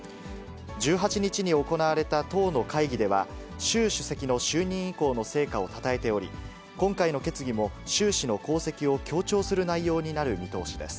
１８日に行われた党の会議では、習主席の就任以降の成果をたたえており、今回の決議も習氏の功績を強調する内容になる見通しです。